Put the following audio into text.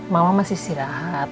mama masih istirahat